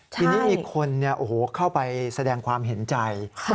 ทีนี้มีคนเข้าไปแสดงความเห็นใจ